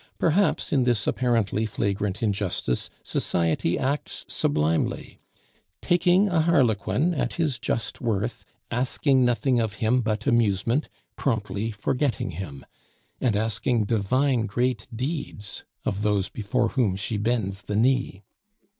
Perhaps in this apparently flagrant injustice society acts sublimely, taking a harlequin at his just worth, asking nothing of him but amusement, promptly forgetting him; and asking divine great deeds of those before whom she bends the knee.